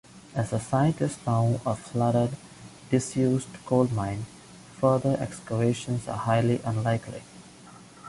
As the site is now a flooded, disused coalmine, further excavations are highly unlikely.